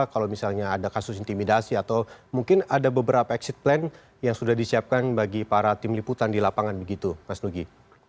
kalau misalnya ada kasus intimidasi atau mungkin ada beberapa exit plan yang sudah disiapkan bagi para tim liputan di lapangan begitu mas nugi